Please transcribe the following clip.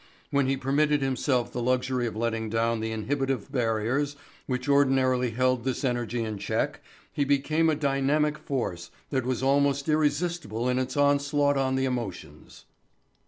When he permitted himself the luxury of letting down the inhibitive barriers which ordinarily held this energy in check he became a dynamic force that was almost irresistible in its onslaught on the emotions.